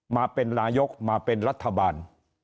มาเป็นนายกมาเป็นรัฐบาล